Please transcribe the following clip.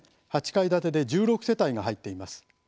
８階建てで１６世帯が入っています。